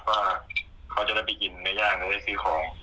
ว่าเขาจะได้ไปกินในย่างหรือได้ซื้อของ